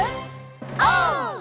オー！